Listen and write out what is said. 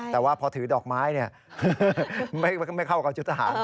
แต่ว่าพอถือดอกไม้ไม่เข้ากับชุดทหาร